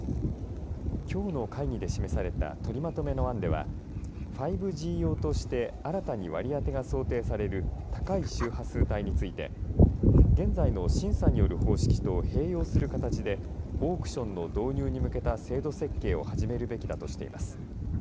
きょうの会議で示された取りまとめの案では５Ｇ用として新たに割り当てが想定される高い周波数帯について現在の審査による方式と併用する形でオークションの導入に向けた制度設計を始めるべきだとしています。